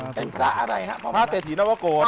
คำสั่งใจอะไรฮะป๋าเศสถีนวโกส